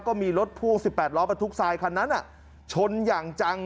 ก็มีรถพ่วงสิบแปดล้อไปทุกซายคันนั้นอ่ะชนอย่างจัง